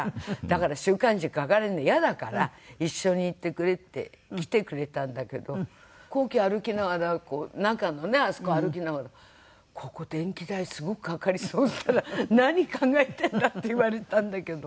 「だから週刊誌に書かれるのイヤだから一緒に行ってくれ」って。来てくれたんだけど皇居歩きながらこう中のねあそこ歩きながら「ここ電気代すごくかかりそう」っつったら「何考えてんだ」って言われたんだけど。